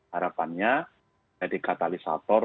harapannya jadi katalisator